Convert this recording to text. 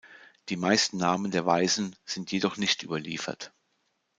Die meisten Namen der Weisen sind jedoch nicht überliefert.